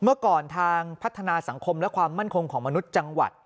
เมื่อก่อนทางพัฒนาสังคมและความมั่นคงของมนุษย์จังหวัด